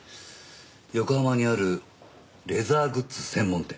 横浜にあるレザーグッズ専門店。